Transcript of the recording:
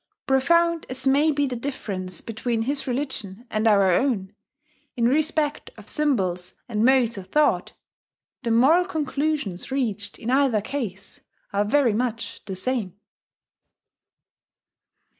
Profound as may be the difference between his religion and our own, in respect of symbols and modes of thought, the moral conclusions reached in either case are very much the same.